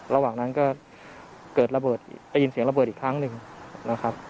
ระหว่างนั้นก็ยินเสียงระเบิดอีกครั้งนึงนะครับ